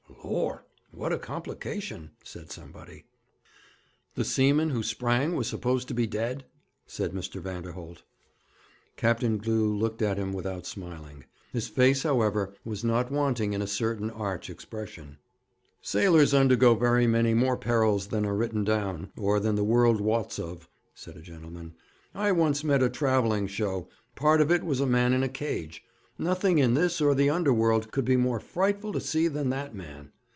'Lor', what a complication!' said somebody. 'The seaman who sprang was supposed to be dead?' said Mr. Vanderholt. Captain Glew looked at him without smiling. His face, however, was not wanting in a certain arch expression. 'Sailors undergo very many more perils than are written down, or than the world wots of,' said a gentleman. 'I once met a travelling show. Part of it was a man in a cage. Nothing in this or the under world could be more frightful to see than that man.